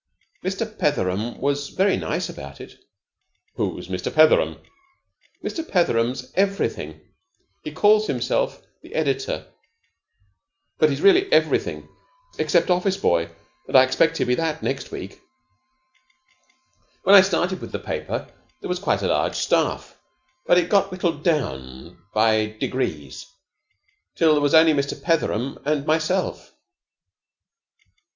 Mr. Petheram was very nice about it." "Who's Mr. Petheram?" "Mr. Petheram's everything. He calls himself the editor, but he's really everything except office boy, and I expect he'll be that next week. When I started with the paper, there was quite a large staff. But it got whittled down by degrees till there was only Mr. Petheram and myself.